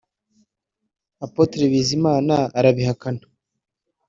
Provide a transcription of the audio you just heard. Apôtre Bizimana arabihakana